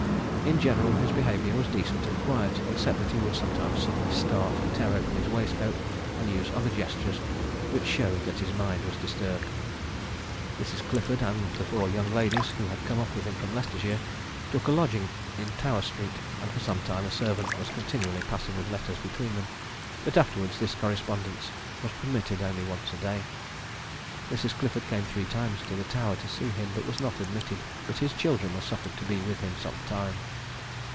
In general his behaviour was decent and quiet, except that he would sometimes suddenly start, tear open his waistcoat, and use other gestures, which showed that his mind was disturbed. Mrs. Clifford and the four young ladies, who had come up with him from Leicestershire, took a lodging in Tower street, and for some time a servant was continually passing with letters between them: but afterwards this correspondence was permitted only once a day. Mrs. Clifford came three times to the Tower to see him, but was not admitted; but his children were suffered to be with him some time.